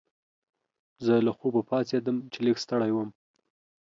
زه له خوبه پاڅیدم چې لږ ستړی وم.